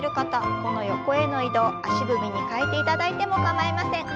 この横への移動足踏みに変えていただいても構いません。